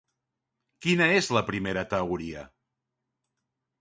Quina és la primera teoria?